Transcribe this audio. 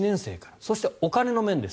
そしてお金の面です。